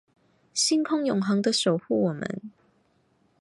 星空永恒的守护我们